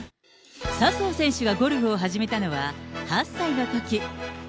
笹生選手がゴルフを始めたのは８歳のとき。